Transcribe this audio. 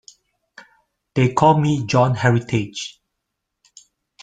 They call me John Heritage.